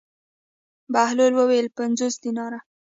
بهلول وویل: پنځوس دیناره.